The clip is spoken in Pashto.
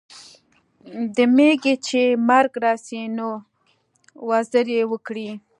د میږي چي مرګ راسي نو، وزري وکړي.